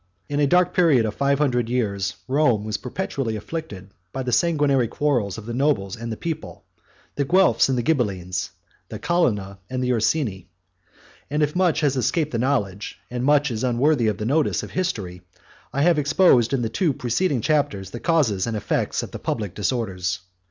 In a dark period of five hundred years, Rome was perpetually afflicted by the sanguinary quarrels of the nobles and the people, the Guelphs and Ghibelines, the Colonna and Ursini; and if much has escaped the knowledge, and much is unworthy of the notice, of history, I have exposed in the two preceding chapters the causes and effects of the public disorders.